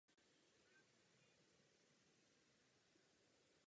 Je tvořen řadou lávových dómů.